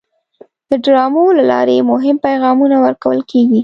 د ډرامو له لارې مهم پیغامونه ورکول کېږي.